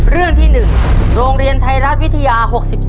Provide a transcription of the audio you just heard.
เรื่องที่๑โรงเรียนไทยรัฐวิทยา๖๔